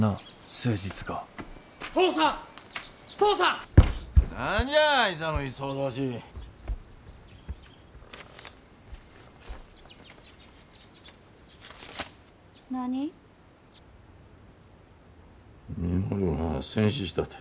稔が戦死したて。